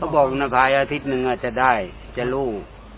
เขาบอกว่าภายอาทิตย์นึงจะได้จะรู้